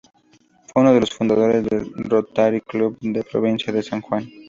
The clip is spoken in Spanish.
Fue uno de los fundadores del Rotary Club de la Provincia de San Juan.